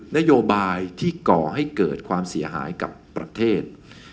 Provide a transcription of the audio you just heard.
นโยบายที่ก่อให้เกิดความเสียหายกับประเทศ